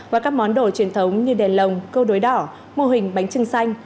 và các món đồ truyền thống như đèn lồng câu đối đỏ mô hình bánh trưng xanh